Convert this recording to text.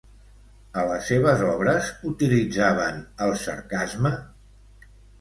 A les seves obres utilitzaven el sarcasme?